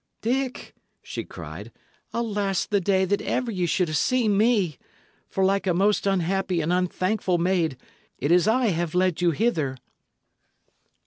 "Dick!" she cried, "alas the day that ever ye should have seen me! For like a most unhappy and unthankful maid, it is I have led you hither."